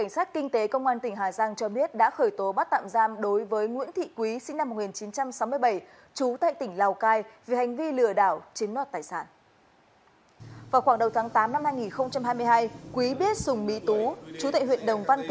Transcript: xin chào các bạn